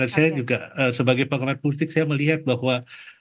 saya juga sebagai pengamat politik saya melihat bahwa